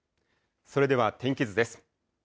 それでは天気図です。